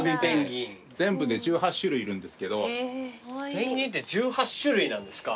ペンギンって１８種類なんですか。